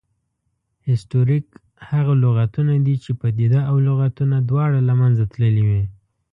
هسټوریک هغه لغتونه دي، چې پدیده او لغتونه دواړه له منځه تللې وي